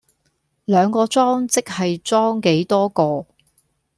兩個裝即係裝幾多個